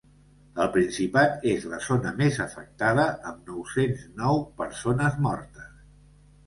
El Principat és la zona més afectada amb nou-cents nou persones mortes.